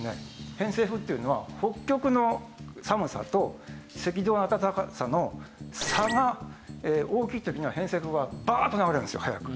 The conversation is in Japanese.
偏西風っていうのは北極の寒さと赤道の暖かさの差が大きい時には偏西風はバーッと流れるんですよ速く。